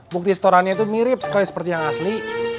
bukti setorannya itu mirip sekali seperti yang asli